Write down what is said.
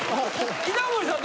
稲森さん